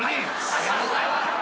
ありがとうございます。